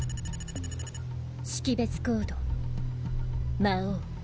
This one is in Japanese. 識別コード魔王。